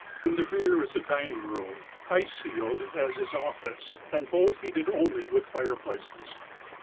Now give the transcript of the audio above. In the rear is a dining room, high ceiled as his office, and both heated only with fireplaces.